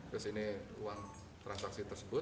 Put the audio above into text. terus ini uang transaksi tersebut